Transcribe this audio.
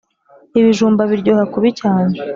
ibijumba biryoha kubi cyane